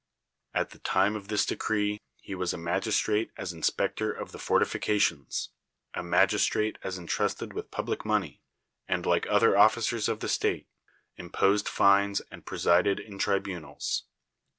At the time of this decree he was a magistrate as inspector of the fortifications, a magistrate as intrusted with public money, and, like other officers of the state, imposed fines and presided in tribunals.